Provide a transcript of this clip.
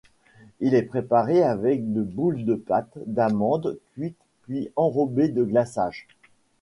Il est préparé avec de boules de pâte d'amande cuites puis enrobées de glaçage.